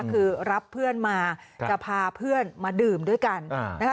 คือรับเพื่อนมาจะพาเพื่อนมาดื่มด้วยกันนะคะ